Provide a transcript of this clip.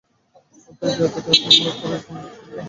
অতএব এই আত্মাতে সুখলাভ করাই মানুষের সর্বাপেক্ষা প্রয়োজন।